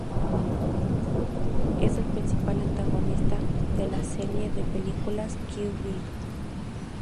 Es el principal antagonista de la serie de películas Kill Bill.